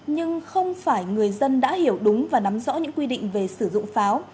nhưng không phải người dân đã hiểu đúng và nắm rõ những quy định về sử dụng pháo